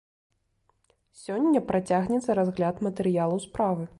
Сёння працягнецца разгляд матэрыялаў справы.